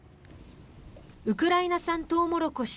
ウクライナ産トウモロコシ